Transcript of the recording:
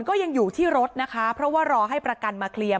ก็ยังอยู่ที่รถนะคะเพราะว่ารอให้ประกันมาเคลียร์